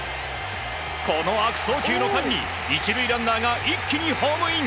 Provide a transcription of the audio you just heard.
悪送球の間に１塁ランナーが一気にホームイン。